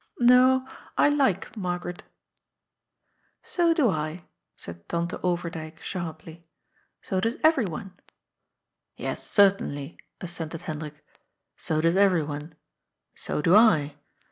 No, I like Margaret." " So do I," said Tante Overdyk sharply. " So does everyone." " Yes, certainly," assented Hendrik, " so does everyone. So do I.